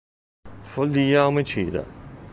Follia omicida